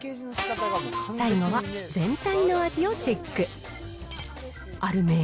最後は全体の味をチェック。